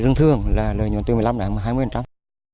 rừng thường là lợi nhuận tiêu chuẩn